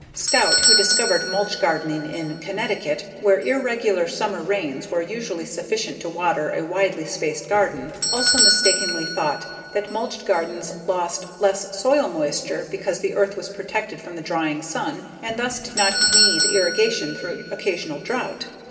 Stout, who discovered mulch gardening in Connecticut where irregular summer rains were usually sufficient to water a widely spaced garden, also mistakenly thought that mulched gardens lost less soil moisture because the earth was protected from the drying sun and thus did not need irrigation through occasional drought.